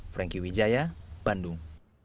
frankie widjaya bandung